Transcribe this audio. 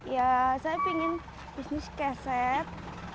ya saya ingin bisnis keset